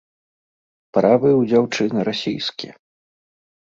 Правы ў дзяўчыны расійскія.